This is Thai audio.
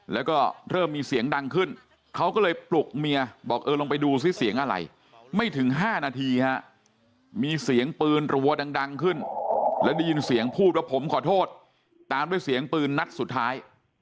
แล้วก็เริ่มมีเสียงดังขึ้นเขาก็เลยปลุกเมียบอกเออลองไปดูซิเสียงอะไรไม่ถึง๕นาทีฮะมีเสียงปืนรัวดังขึ้นแล้วได้ยินเสียงพูดว่าผมขอโทษตามด้วยเสียงปืนนัดสุดท้าย